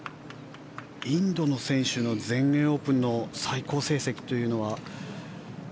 インドの選手の全英オープンの最高成績というのは。